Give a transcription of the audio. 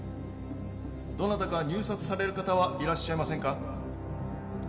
どなたか入札される方はいらっしゃいませんか？